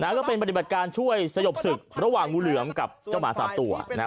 ก็เป็นปฏิบัติการช่วยสยบศึกระหว่างงูเหลือมกับเจ้าหมา๓ตัว